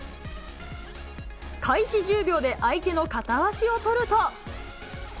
開始１０秒で相手の片足を取ると。